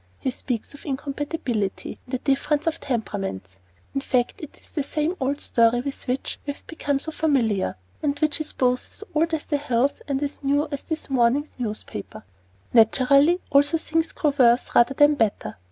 He speaks of "incompatibility," and a "difference of temperaments." In fact, it is the same old story with which we have become so familiar, and which is both as old as the hills and as new as this morning's newspaper. Naturally, also, things grow worse, rather than better.